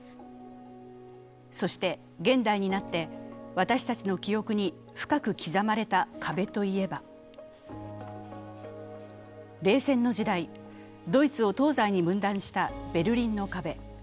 そして現代になって私たちの記憶に深く刻まれた壁といえば、冷戦の時代、ドイツを東西に分断したベルリンの壁。